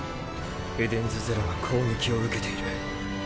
エデンズゼロが攻撃を受けている。